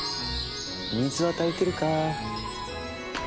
水は足りてるか？